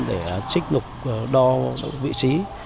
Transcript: để trích đo vị trí